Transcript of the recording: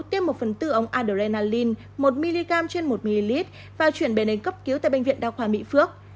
tiêm một phần tư ống adrenalin một mg trên một ml và chuyển bé đến cấp cứu tại bệnh viện đa khoa mỹ phước